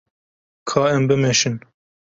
Ka em bimeşin.